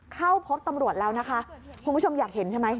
เข้าพบตำรวจแล้วนะคะคุณผู้ชมอยากเห็นใช่ไหม